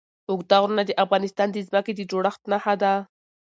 اوږده غرونه د افغانستان د ځمکې د جوړښت نښه ده.